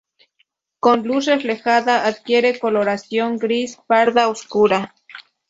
Con luz reflejada, adquiere coloración gris parda oscura.